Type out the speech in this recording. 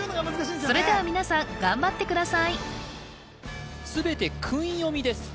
それでは皆さん頑張ってください全て訓読みです